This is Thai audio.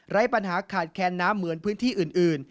ปัญหาขาดแคนน้ำเหมือนพื้นที่อื่น